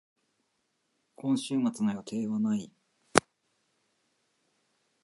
今週末の予定はない。